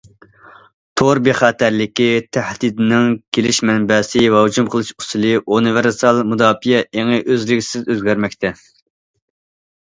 تور بىخەتەرلىكى تەھدىتىنىڭ كېلىش مەنبەسى ۋە ھۇجۇم قىلىش ئۇسۇلى، ئۇنىۋېرسال مۇداپىئە ئېڭى ئۈزلۈكسىز ئۆزگەرمەكتە.